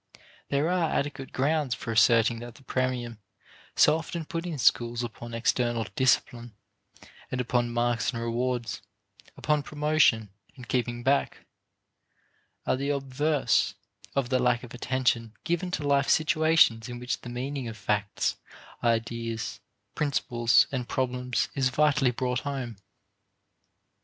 There are adequate grounds for asserting that the premium so often put in schools upon external "discipline," and upon marks and rewards, upon promotion and keeping back, are the obverse of the lack of attention given to life situations in which the meaning of facts, ideas, principles, and problems is vitally brought home.